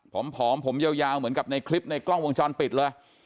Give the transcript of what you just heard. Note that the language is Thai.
ผอมผมยาวเหมือนกับในคลิปในกล้องวงจรปิดเลย